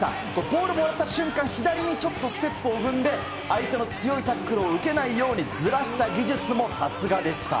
ボールもらった瞬間、左にちょっとステップを踏んで、相手の強いタックルを受けないように、ずらした技術もさすがでした。